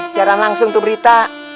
siaran langsung tuh berita